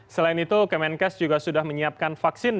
selain itu kemenkes juga sudah menyiapkan vaksin